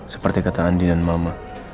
seperti kata andi dan mama